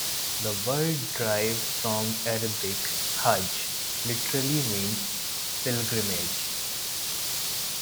The word derives from the Arabic "Hajj" literally meaning 'pilgrimage'.